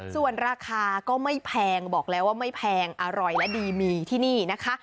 ส่วนราคาก็ไม่แพงบอกแล้วว่าไม่แพงอร่อยและดีมีที่นี่นะคะ